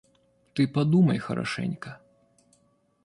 Ты подумай хорошенько.